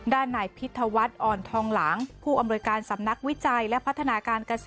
ด้านนายพิธวัฒน์อ่อนทองหลังผู้อำนวยการสำนักวิจัยและพัฒนาการเกษตร